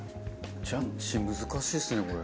ジャッジ難しいですねこれ。